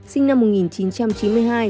sinh năm một nghìn chín trăm chín mươi hai